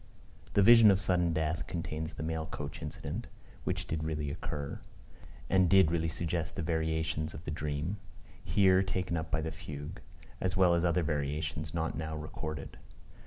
The Vision of Sudden Death contains the mail coach incident, which did really occur, and did really suggest the variations of the Dream, here taken up by the Fugue, as well as other variations not now recorded.